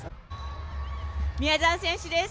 宮澤選手です。